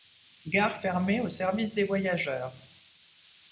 Gare fermée au service des voyageurs.